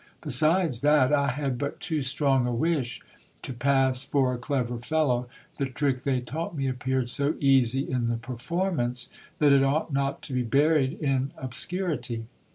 Besides that I had but too strong a wish to pass for a clever fellow, the trick they taught me appeared so easy in the performance, that it ought not to be buried in obscurity.